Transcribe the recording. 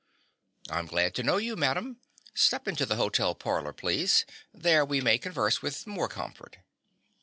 "I am glad to know you, madam. Step into the hotel parlor, please. There we may converse with more comfort."